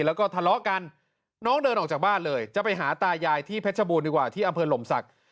แล้วก็ทะเลาะกันน้องเดินออกจากบ้านเลยจะไปหาตายายที่เพชรบูรณดีกว่าที่อำเภอหลมศักดิ์